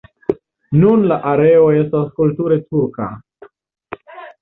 Nun la areo estas kulture turka.